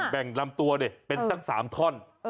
แบ่งลำตัวเป็นทั้ง๓ท่อน